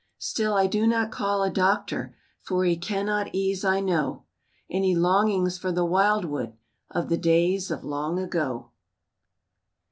Still I do not call a doctor, For he cannot ease, I know, Any longings for the wildwood Of the days of long ago.